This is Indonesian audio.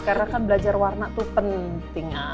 karena kan belajar warna tuh penting